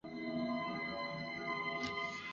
乘坐国际航班的乘客则需至四楼办理值机手续。